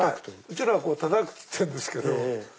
うちらはたたくっつってんですけど。